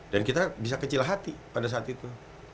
dan kita bisa kecil hati pada saat itu